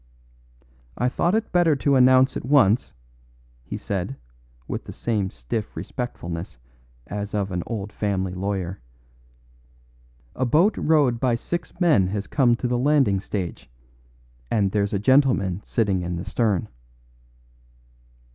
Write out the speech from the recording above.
"I thought it better to announce at once," he said, with the same stiff respectfulness as of an old family lawyer, "a boat rowed by six men has come to the landing stage, and there's a gentleman sitting in the stern."